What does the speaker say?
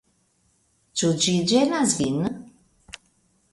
Ĉu ĝi ĝenas vin?